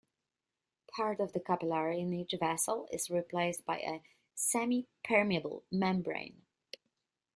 Part of the capillary in each vessel is replaced by a semipermeable membrane.